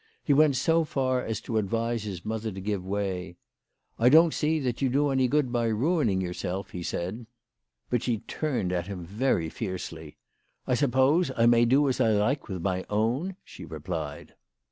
He went so far as to ad vise his mother to give way. " I don't see that you do any good by ruining yourself," he said. But she turned at him very fiercely. " I suppose I may do as I like with my own," she replied.